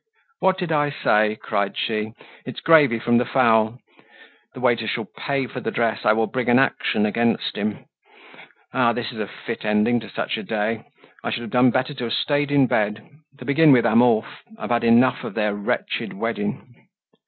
"What did I say?" cried she. "It's gravy from the fowl. The waiter shall pay for the dress. I will bring an action against him. Ah! this is a fit ending to such a day. I should have done better to have stayed in bed. To begin with, I'm off. I've had enough of their wretched wedding!"